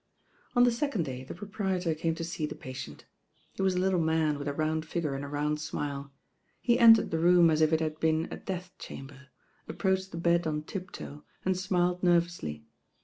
On the second day the proprietor came to see the patient. He was a little man with a round figure and a round smile. He entered the room as if it had been a death chamber, approached the bed on tip toe, and smiled nervously.